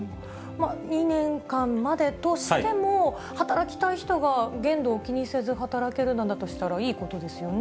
２年間までとしても、働きたい人が限度を気にせず働けるんだとしたらいいことですよね。